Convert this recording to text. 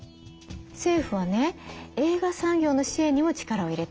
政府はね映画産業の支援にも力を入れてるの。